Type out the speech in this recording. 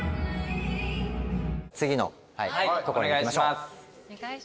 次の所に行きましょう。